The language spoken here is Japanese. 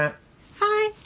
はい。